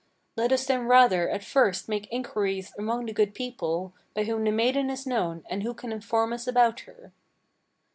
Let us then rather at first make inquiries among the good people By whom the maiden is known, and who can inform us about her."